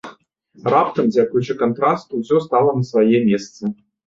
Раптам, дзякуючы кантрасту, усё стала на свае месцы.